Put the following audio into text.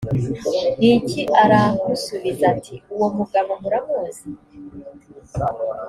n iki aramusubiza ati uwo mugabo muramuzi